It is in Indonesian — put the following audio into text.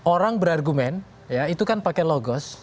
orang berargumen ya itu kan pakai logos